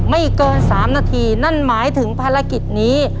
ไม่เกิน๓นาทีนั่นหมายถึงภารกิจนี้